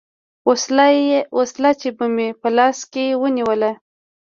وسله چې به مې په لاس کښې ونېوله.